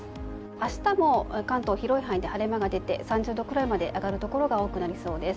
明日も関東、広い範囲で晴れ間が出て３０度くらいまで上がるところが多くなりそうです。